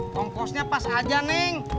kongkosnya pas aja neng